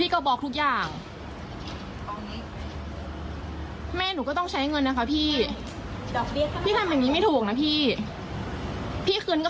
ไม่อยากจะมีปัญหานะพี่คนก็ต้องใช้เงินเหมือนกันน่ะ